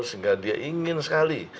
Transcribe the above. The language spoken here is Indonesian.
sehingga dia ingin sekali